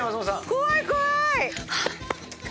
怖い怖い！